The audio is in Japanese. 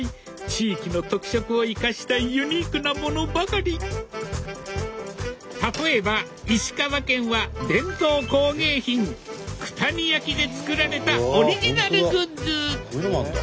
地域の特色を生かしたユニークなものばかり例えば石川県は伝統工芸品九谷焼で作られたオリジナルグッズ